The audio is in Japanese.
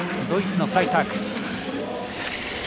ドイツのフライターク。